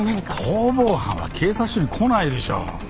逃亡犯は警察署に来ないでしょ。